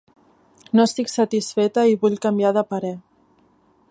No estic satisfeta i vull canviar de parer.